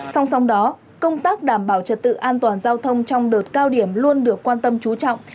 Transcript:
song song đó công tác đảm bảo trật tự an toàn giao thông trong đợt cao điểm luôn được quan tâm chú trọng